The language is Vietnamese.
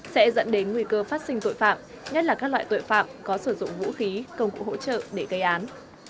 sẽ dẫn đến nguy cơ phát sinh tội phạm nhất là các loại tội phạm có sử dụng vũ khí công cụ hỗ trợ để gây án